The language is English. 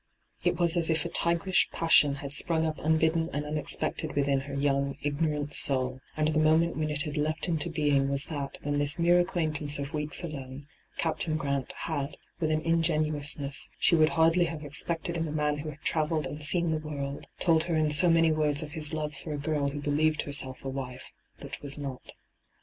It ' was as if a tigerish passion had sprung up unbidden and un expected within her young, ignorant soul, hyGoogIc ENTRAPPED 211 and the moment when it had leapt into being was that when this mere aaquaintanoe of weeks alone, Captain Grant, had, with an ingenuousness she would hardly have expected in a man who had travelled and seen the world, told her in so many words of his love for a girl who believed herself a wife, but was not.